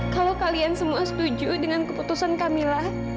kalau kalian semua setuju dengan keputusan kamilah